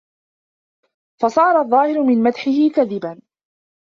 فَصَارَ الظَّاهِرُ مِنْ مَدْحِهِ كَذِبًا